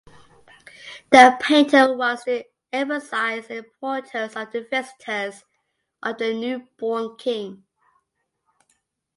The painter wants to emphasize the importance of the visitors of the newborn king.